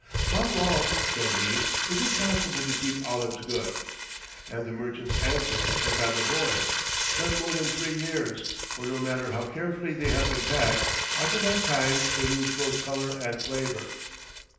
"How long," said he, "is it possible to keep olives good?" And the merchants answered, as had the boys, "Not more than three years, for no matter how carefully they have been packed, after that time they lose both color and flavor."